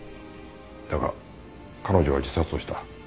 だが彼女は自殺をした。